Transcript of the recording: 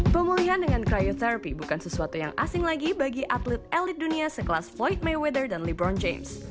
pemulihan dengan cryotherapy bukan sesuatu yang asing lagi bagi atlet elit dunia sekelas floyd mayweather dan lebron james